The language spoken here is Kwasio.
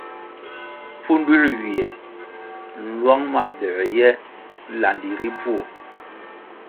Pfunduē ywiè nlwang ma doē ye landi ri bvuo.